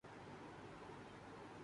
T V shows عوامی مسائل کو نمایاں کرتے ہیں۔